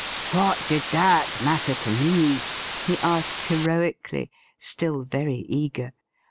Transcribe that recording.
' What did that matter to me ?' he asked heroically, still very eager.